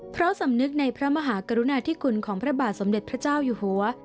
เพราะสำนึกในพระมหากรุณาธิคุณของพระบาทสมเด็จพระเจ้าอยู่หัว